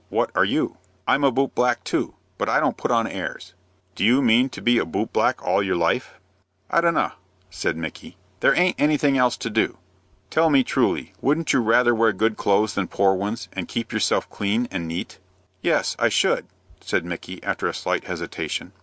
"What are you?" "I'm a boot black too; but I don't put on airs." "Do you mean to be a boot black all your life?" "I dunna," said Micky; "there aint anything else to do." "Tell me truly, wouldn't you rather wear good clothes than poor ones, and keep yourself clean and neat?" "Yes, I should," said Micky, after a slight hesitation.